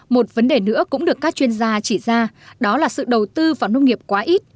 một vấn đề nữa cũng được các chuyên gia chỉ ra đó là sự đầu tư vào nông nghiệp quá ít